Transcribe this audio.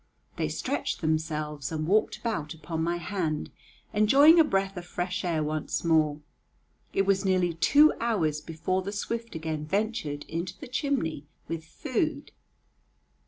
They stretched themselves and walked about upon my hand, enjoying a breath of fresh air once more. It was nearly two hours before the swift again ventured into the chimney with food.